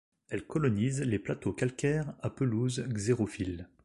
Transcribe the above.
Elle colonise les plateaux calcaires à pelouses xérophiles.